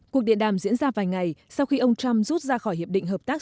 cuộc điện đàm diễn ra vài ngày sau khi ông trump rút ra khỏi hiệp định hợp tác